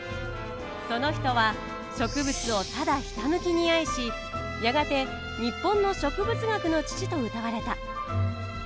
その人は植物をただひたむきに愛しやがて日本の植物学の父とうたわれた。